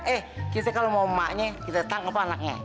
eh kita kalau mau maknya kita tangkap anaknya